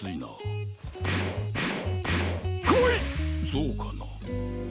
そうかな？